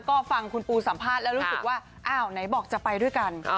ก็ฟังคุณปูสัมภาษณ์แล้วรู้สึกว่าอ้าวไหนบอกจะไปด้วยกัน